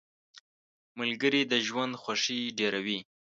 • ملګري د ژوند خوښي ډېروي.